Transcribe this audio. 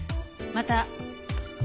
また。